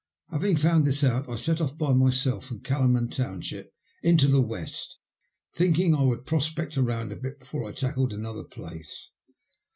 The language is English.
Having found this out I set off by myself from Kalaman Township into the West, thinking I would prospect round a bit before I tackled another place.